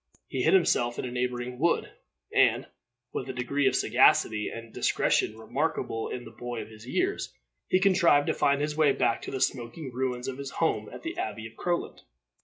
He hid himself in a neighboring wood, and, with a degree of sagacity and discretion remarkable in a boy of his years, he contrived to find his way back to the smoking ruins of his home at the Abbey of Crowland.